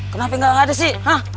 kenapa nggak ada sih